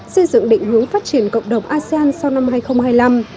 xây dựng định hướng phát triển cộng đồng asean sau năm hai nghìn hai mươi năm